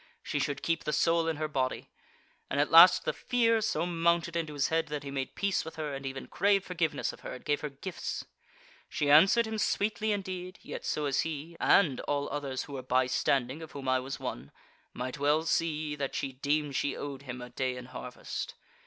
she should keep the soul in her body. And at last the fear so mounted into his head that he made peace with her, and even craved forgiveness of her and gave her gifts. She answered him sweetly indeed, yet so as he (and all others who were bystanding, of whom I was one,) might well see that she deemed she owed him a day in harvest.